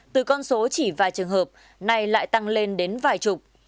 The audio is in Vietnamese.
từ con số chỉ vài trường hợp nay lại tăng lên đến vài chục